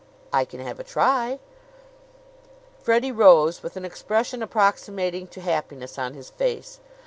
"I can have a try." Freddie rose, with an expression approximating to happiness on his face.